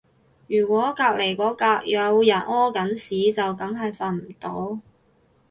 如果隔離嗰格有人屙緊屎就梗係瞓唔到